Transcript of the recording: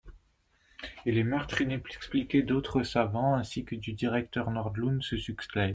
Et les meurtres inexpliqués d'autres savants, ainsi que du directeur Nordlund, se succèdent...